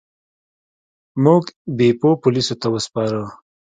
موږ بیپو پولیسو ته وسپاره.